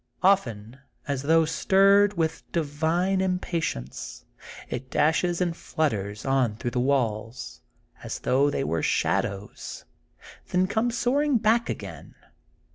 Often, as though stirred with divine impatience, it dashes and (flutters on through the walls, as though they were shadows, then comes soaring back again.